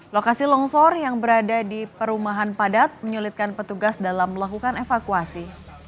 lokasi longsor yang berada di perumahan padat menyulitkan petugas dalam melakukan evakuasi